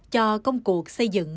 cho công cuộc xây dựng